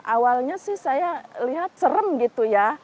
awalnya sih saya lihat serem gitu ya